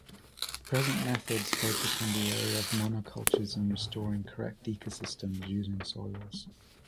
Present methods focus on the area of monocultures and restoring correct ecosystems using soils.